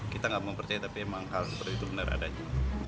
kita nggak mau percaya tapi emang hal seperti itu benar adanya